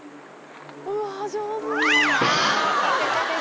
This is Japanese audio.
うわ上手。